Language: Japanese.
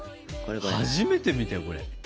初めて見たよこれ。